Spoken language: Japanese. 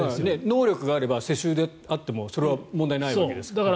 能力があれば世襲であってもそれは問題ないわけです。